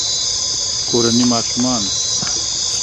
کورني ماشومان